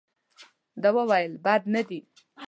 ده وویل بد نه دي.